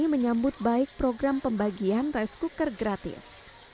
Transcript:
menyambut baik program pembagian rice cooker gratis